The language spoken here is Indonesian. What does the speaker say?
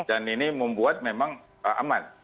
dan ini membuat memang aman